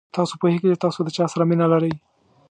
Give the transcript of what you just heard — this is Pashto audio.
تاسو پوهېږئ چې تاسو د چا سره مینه لرئ.